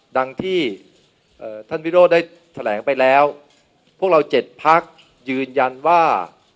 ดังที่ท่านวิโรธได้แถลงไปแล้วพวกเรา๗พักยืนยันว่า